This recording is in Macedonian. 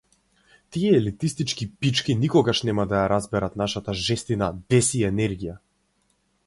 Тие елитистички пички никогаш нема да ја разберат нашата жестина, бес и енергија!